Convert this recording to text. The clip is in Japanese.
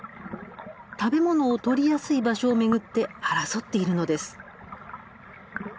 食べ物を取りやすい場所を巡って争っているのです。